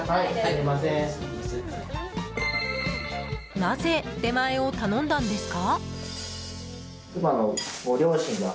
なぜ、出前を頼んだんですか？